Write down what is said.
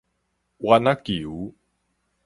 丸仔球